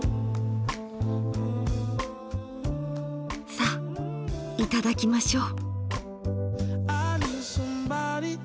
さあいただきましょう。